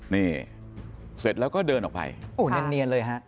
นี่เสร็จแล้วก็เดินออกไปโอ้เนียนเลยฮะ